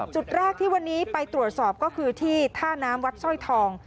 จุดแรกที่วันนี้ไปตรวจสอบก็คือที่ท่าน้ำวัดสร้อยทอง